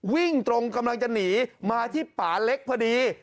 วิ่งตรงกำลังจะหนีมาที่ป่าเล็กพอดี